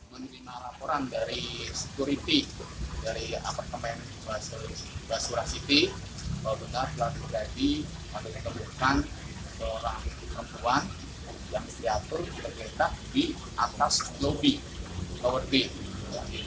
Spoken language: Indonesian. menerima laporan dari security dari apartemen basura city